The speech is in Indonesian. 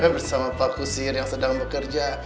bersama pak kusir yang sedang bekerja